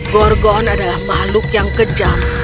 gorgon adalah makhluk yang kejam